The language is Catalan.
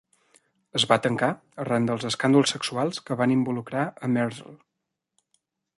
Es va tancar arran dels escàndols sexuals que van involucrar a Merzel.